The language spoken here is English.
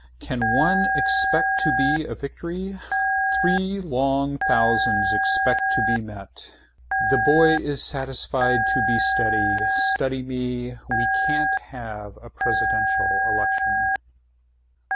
Can one expect to be a victory. Three long thousands. Expect to be met. The boy is satisfied to be steady. Study me. Why can't we have a presidential election.